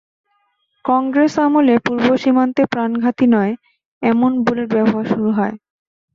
কংগ্রেস আমলে পূর্ব সীমান্তে প্রাণঘাতী নয়, এমন বুলেট ব্যবহার শুরু হয়।